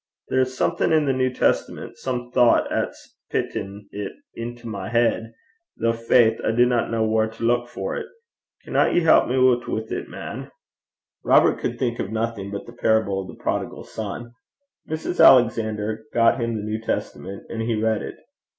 There's something i' the New Testament, some gait, 'at's pitten 't into my heid; though, faith, I dinna ken whaur to luik for 't. Canna ye help me oot wi' 't, man?' Robert could think of nothing but the parable of the prodigal son. Mrs. Alexander got him the New Testament, and he read it.